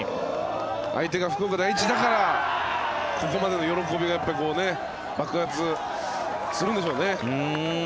相手が福岡第一だからここまでの喜びが爆発するんでしょうね。